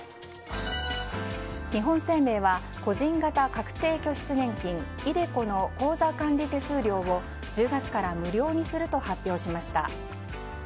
日本生命は個人型確定拠出年金・ｉＤｅＣｏの口座管理手数料を１０月から無料にすると発表しました。